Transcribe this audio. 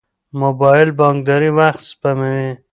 موبایل بانکداري وخت سپموي.